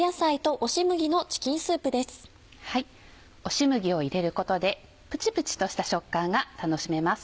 押し麦を入れることでプチプチとした食感が楽しめます。